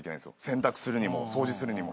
洗濯するにも掃除するにも。